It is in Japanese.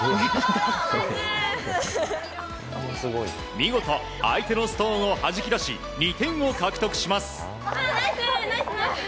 見事、相手のストーンをはじき出し２点を獲得します。